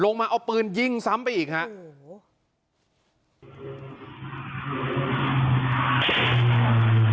ลงมาเอาปืนยิงซ้ำไปอีกฮะโอ้โห